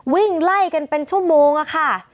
วิ่งไล่กันเป็นชั่วโมงค่ะ